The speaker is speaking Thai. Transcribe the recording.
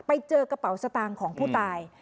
ไปเจอกระเป๋าสตางค์ของผู้ตาย